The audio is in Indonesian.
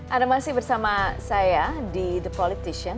anda masih bersama saya di the politician